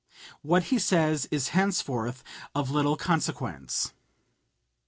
What he says is henceforth of little consequence.